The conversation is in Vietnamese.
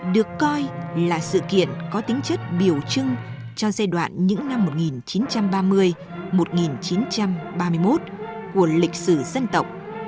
được coi là sự kiện có tính chất biểu trưng cho giai đoạn những năm một nghìn chín trăm ba mươi một nghìn chín trăm ba mươi một của lịch sử dân tộc